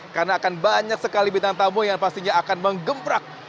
karena akan banyak sekali bintang tamu yang pastinya akan menggembrak